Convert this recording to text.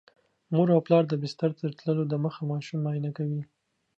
مور او پلار د بستر ته تللو دمخه ماشوم معاینه کوي.